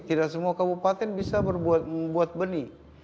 tidak semua kabupaten bisa membuat benih